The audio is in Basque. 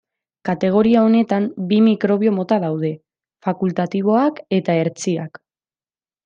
Kategoria honetan bi mikrobio mota daude: fakultatiboak eta hertsiak.